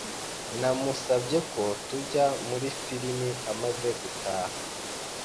Namusabye ko twajya muri firime amaze gutaha.